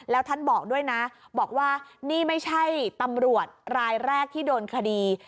แล้วท่านบอกด้วยนะบอกว่านี่ไม่ใช่ตำรวจรายแรกที่โดนคดี